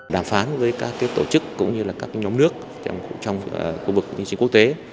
đàm phán với các tổ chức cũng như các nhóm nước trong khu vực kinh tế quốc tế